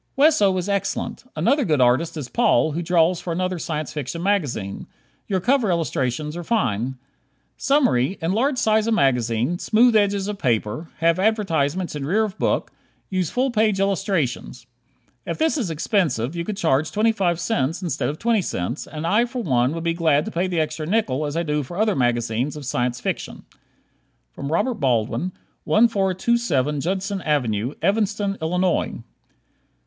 Wesso is excellent. Another good artist is Paul, who draws for another Science Fiction magazine. Your cover illustrations are fine. Summary: Enlarge size of magazine, smooth edges of paper, have advertisements in rear of book, use full page illustrations. If this is expensive, you could charge twenty five cents instead of twenty cents, and I, for one, would be glad to pay the extra nickel as I do for other magazines of Science Fiction. Robert Baldwin, 1427 Judson Ave., Evanston, Illinois.